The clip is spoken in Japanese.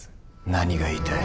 何が言いたい？